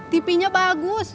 tv nya bagus